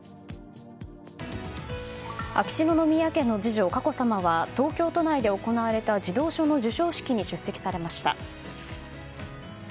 秋篠宮家の次女佳子さまは東京都内で行われた児童書の授賞式に出席されました。